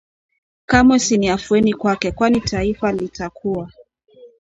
kamwe si ni afueni kwake kwani taifa litakuwa